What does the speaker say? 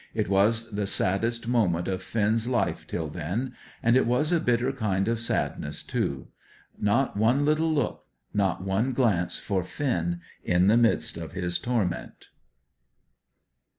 It was the saddest moment of Finn's life till then; and it was a bitter kind of sadness, too. Not one little look; not one glance for Finn in the midst of his torment!